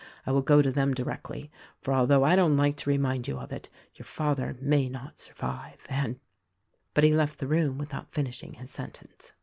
I will go to them directly; for, although I don't like to remind you of it, your father may not survive, and " But he left the room without finishing his sentence.